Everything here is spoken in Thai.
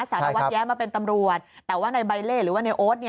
สารวัตรแย้มาเป็นตำรวจแต่ว่าในใบเล่หรือว่าในโอ๊ต